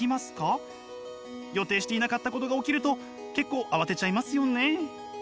予定していなかったことが起きると結構慌てちゃいますよね。